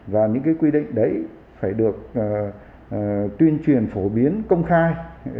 và những quy định đấy phải được tuyên truyền phổ biến công khai